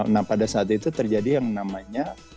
nah pada saat itu terjadi yang namanya